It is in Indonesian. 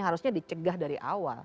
harusnya dicegah dari awal